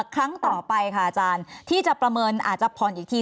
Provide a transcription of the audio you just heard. ครั้งต่อไปค่ะอาจารย์ที่จะประเมินอาจจะผ่อนอีกที